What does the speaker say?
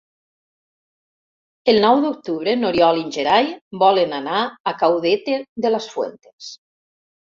El nou d'octubre n'Oriol i en Gerai voldrien anar a Caudete de las Fuentes.